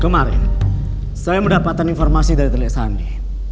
kemarin saya mendapatkan informasi dari telik sandi